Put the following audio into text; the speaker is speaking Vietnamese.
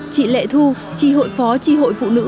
chị lệ thu chi hội phó tri hội phụ nữ